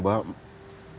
kewenangan mahkamah agung